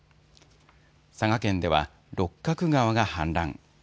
佐賀県では六角川が氾濫。